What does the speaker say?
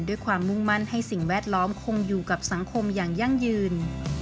ด้วยความมุ่งมั่นให้สิ่งแวดล้อมคงอยู่กับสังคมอย่างยั่งยืน